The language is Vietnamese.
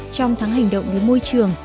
trong tháng hành động đến môi trường